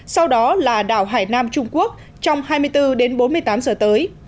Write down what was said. sau đó là đảo hải nam trung quốc trong hai mươi bốn đến bốn mươi tám giờ tới